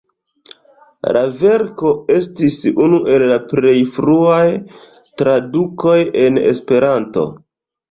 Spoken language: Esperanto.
La verko estis unu el la plej fruaj tradukoj en Esperanto.